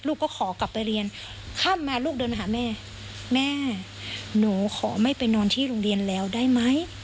ก็ขอกลับไปเรียนค่ำมาลูกเดินมาหาแม่แม่หนูขอไม่ไปนอนที่โรงเรียนแล้วได้ไหม